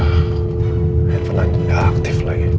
pergi ini tadi tuhan titiknya enggak jadi sama yangade ini